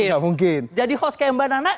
gak mungkin jadi host kayak mba nana